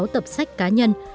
hai mươi sáu tập sách cá nhân